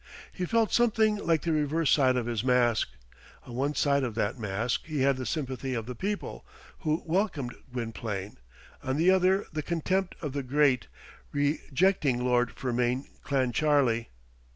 He felt something like the reverse side of his mask. On one side of that mask he had the sympathy of the people, who welcomed Gwynplaine; on the other, the contempt of the great, rejecting Lord Fermain Clancharlie.